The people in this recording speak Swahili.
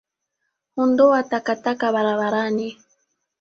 Ondoa takataka barabarani